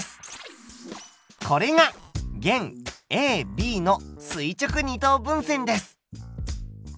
これが弦ＡＢの垂直二等分線です。